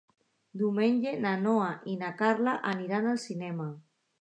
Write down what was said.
Diumenge na Noa i na Carla aniran al cinema.